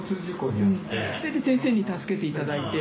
で先生に助けていただいて。